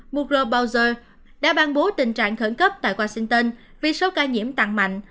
muriel bowser đã ban bố tình trạng khẩn cấp tại washington vì số ca nhiễm tăng mạnh